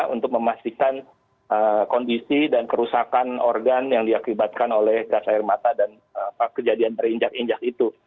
untuk memastikan kondisi dan kerusakan organ yang diakibatkan oleh gas air mata dan kejadian terinjak injak itu